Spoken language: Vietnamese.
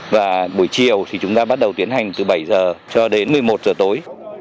và buổi chiều thì chúng ta bắt đầu tiến hành từ bảy giờ cho đến một mươi một giờ tối